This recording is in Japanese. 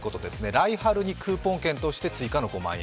来春のクーポン券として追加の５万円。